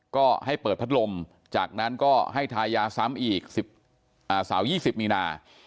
ก็ให้เปิดพัดลมจากนั้นก็ให้ทายาซ้ำอีกเสาร์๒๐มีนา